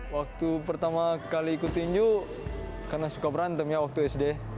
waktu pertama kali ikut tinju karena suka berantem ya waktu sd